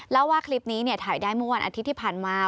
แล้วว่าคลิปนี้ถ่ายได้เมื่อวันอาทิตย์ที่ผ่านมา